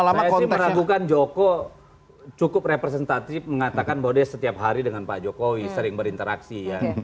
saya sih meragukan joko cukup representatif mengatakan bahwa dia setiap hari dengan pak jokowi sering berinteraksi